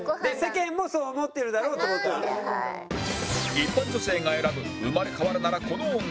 一般女性が選ぶ生まれ変わるならこの女